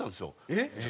えっ？